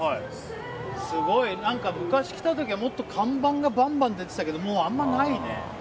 すごい、昔来た時は看板がバンバン出てたけどもう、あんまりないね。